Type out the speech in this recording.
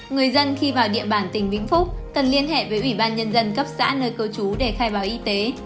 người dân khi vào địa bàn tỉnh vĩnh phúc cần liên hệ với ủy ban nhân dân cấp xã nơi cư trú để khai báo y tế